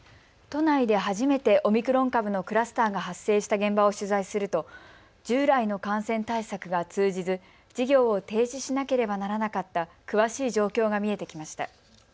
都内で初めてオミクロン株のクラスターが発生した現場を取材すると従来の感染対策が通じず事業を停止しなければならなかった詳しい状況が見えてきました。